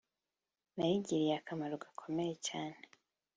nayigiriye akamaro gakomeye cyane